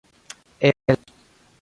el